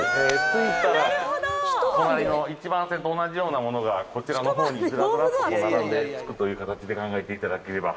ついたら隣の１番線と同じようなものがこちらの方にズラズラッとこう並んでつくという形で考えていただければ。